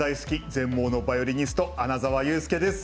全盲のバイオリニスト穴澤雄介です。